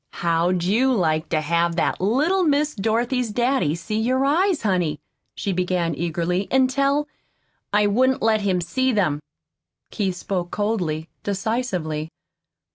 "How'd you like to have that little Miss Dorothy's daddy see your eyes, honey," she began eagerly, "an' tell " "I wouldn't let him see them." Keith spoke coldly, decisively.